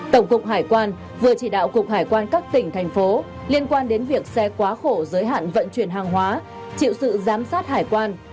tổng cục hải quan vừa chỉ đạo cục hải quan các tỉnh thành phố liên quan đến việc xe quá khổ giới hạn vận chuyển hàng hóa chịu sự giám sát hải quan